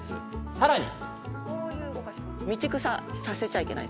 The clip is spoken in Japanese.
さらに。